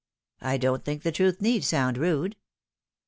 " I don't think the truth need sound rude."